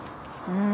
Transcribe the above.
うん。